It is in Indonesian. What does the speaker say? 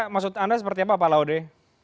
maksud anda seperti apa pak laude